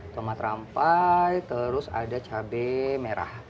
tomat rampai terus ada cabai merah